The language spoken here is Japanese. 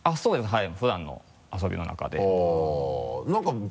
はい。